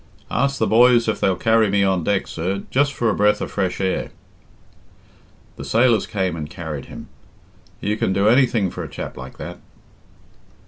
"Ask the boys if they'll carry me on deck, sir just for a breath of fresh air." The sailors came and carried him. "You can do anything for a chap like that."